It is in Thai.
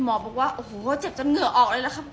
บอกว่าโอ้โหเจ็บจนเหงื่อออกเลยล่ะครับ